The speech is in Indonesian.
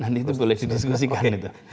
nanti itu boleh didiskusikan